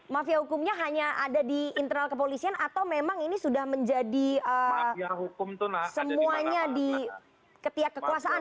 mafia hukumnya hanya ada di internal kepolisian atau memang ini sudah menjadi semuanya di ketiak kekuasaan